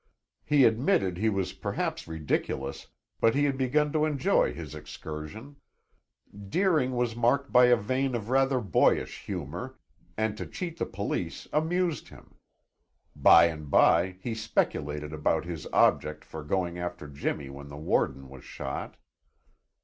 He admitted he was perhaps ridiculous, but he had begun to enjoy his excursion; Deering was marked by a vein of rather boyish humor and to cheat the police amused him. By and by he speculated about his object for going after Jimmy when the warden was shot.